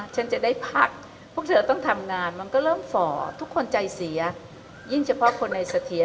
ฉันจะได้พักพวกเธอต้องทำงานมันก็เริ่มฝ่อทุกคนใจเสียยิ่งเฉพาะคนในเสถียร